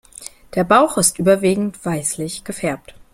Der Bauch ist überwiegend weißlich gefärbt.